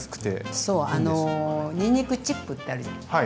そうあのにんにくチップってあるじゃない？